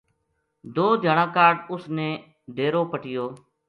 دو دھیاڑا کاہڈ اس نے ڈیرو پَٹیو